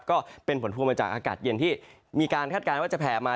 ก็เป็นผลพวงมาจากอากาศเย็นที่มีการคาดการณ์ว่าจะแผ่มา